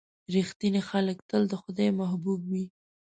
• رښتیني خلک تل د خدای محبوب وي.